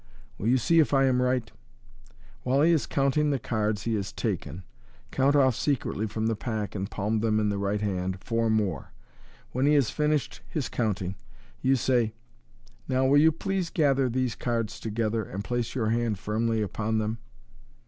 Will you see if I am right ?" While he is counting the cards he has taken, count off secretly from the pack, and palm in the right hand, four more. When he has finished his counting, you say, " Now will you please gather these cards together, and place your hand firmly upon them